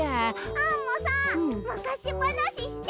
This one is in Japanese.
アンモさんむかしばなしして。